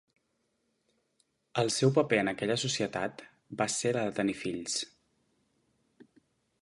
El seu paper en aquella societat va ser la de tenir fills.